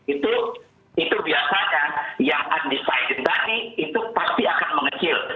itu biasanya yang undecided tadi itu pasti akan mengecil